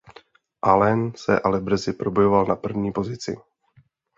Alen se ale brzy probojoval na první pozici.